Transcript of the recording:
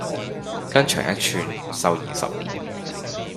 筋長一寸，壽延十年